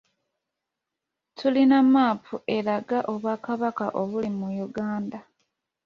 Tulina mmaapu eraga obwakabaka obuli mu Uganda.